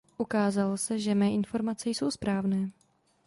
Ukázalo se, že mé informace jsou správné.